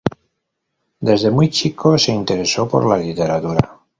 Desde muy chico se interesó por la literatura.